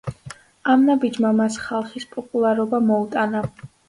ამ ნაბიჯმა მას ხალხის პოპულარობა მოუტანა.